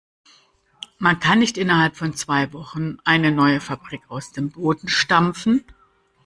Man kann nicht innerhalb von zwei Wochen eine neue Fabrik aus dem Boden stampfen.